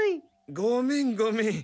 ごめんごめん。